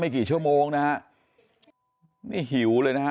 ไม่กี่ชั่วโมงนะนี่หิวเลยนะ